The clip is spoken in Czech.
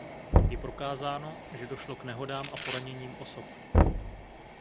Je prokázáno, že došlo k nehodám a poraněním osob.